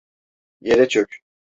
Yere çök!